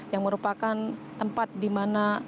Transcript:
yang merupakan tempat di mana